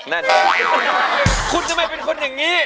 คุณจะไม่เป็นคนอย่างนี้